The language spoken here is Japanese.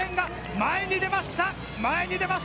前に出ました。